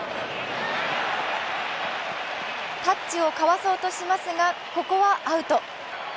タッチを交わそうとしますがここはアウト。